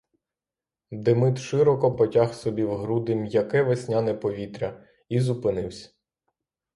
Демид широко потяг собі в груди м'яке весняне повітря і зупинивсь.